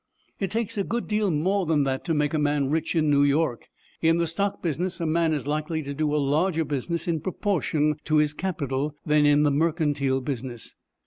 "It takes a good deal more than that to make a man rich in New York. In the stock business a man is likely to do a larger business in proportion to his capital than in the mercantile business."